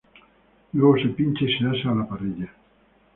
Luego se pincha y se asa a la parrilla.